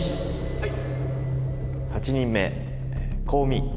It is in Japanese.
はい。